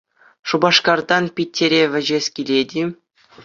Шупашкартан Питӗре вӗҫес килет-и?